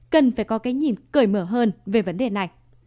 cần phải có cái nhìn cởi mở hơn về vấn đề này